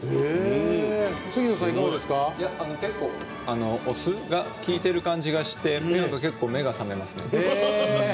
結構お酢がきいてる感じがして結構目が覚めますね。